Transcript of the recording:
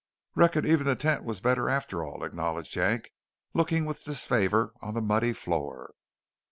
"Reckon even the tent was better after all," acknowledged Yank, looking with disfavour on the muddy floor.